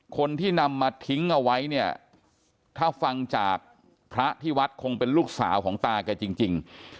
คนที่นำมาทิ้งเอาไว้เนี่ยถ้าฟังจากพระที่วัดคงเป็นลูกสาวของตาแกจริง